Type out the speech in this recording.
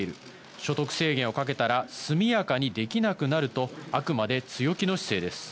所得制限をかけたら速やかにできなくなると、あくまで強気の姿勢です。